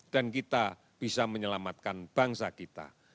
dan kita bisa menyelamatkan bangsa kita